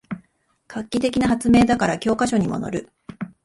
画期的な発明だから教科書にものる